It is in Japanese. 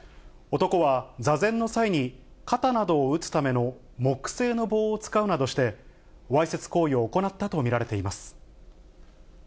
男は、座禅の際に、肩などを打つための木製の棒を使うなどして、わいせつ行為を行ったと見られています。